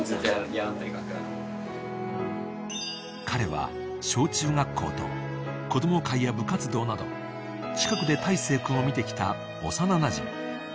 ［彼は小中学校と子供会や部活動など近くで大生君を見てきた幼なじみ］